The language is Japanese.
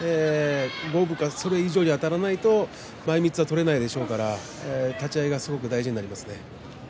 五分かそれ以上であたらないと前みつは取れないでしょうから立ち合いが大事ですね。